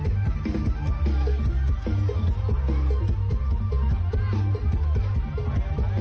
เอาอีกแล้วเบิกเก้าอีกแล้ว